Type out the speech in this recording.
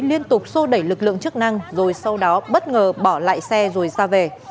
liên tục sô đẩy lực lượng chức năng rồi sau đó bất ngờ bỏ lại xe rồi ra về